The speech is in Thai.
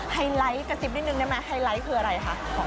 ไฮไลท์กระซิบนิดนึงได้ไหมไฮไลท์คืออะไรคะ